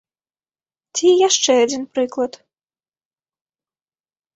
Ці яшчэ адзін прыклад.